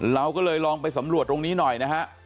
เราก็เลยลองไปสำรวจตรงนี้หน่อยนะฮะ